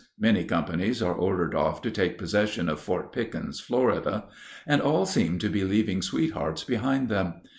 Many companies are ordered off to take possession of Fort Pickens (Florida), and all seem to be leaving sweethearts behind them.